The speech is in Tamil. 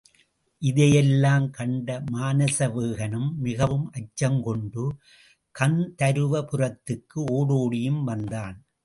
இதையெல்லாம் கண்ட மானசவேகனும் மிகவும் அச்சங்கொண்டு கந்தருவபுரத்துக்கு ஓடோடியும் வந்தான்.